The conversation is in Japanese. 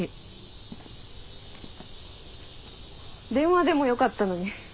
電話でもよかったのに。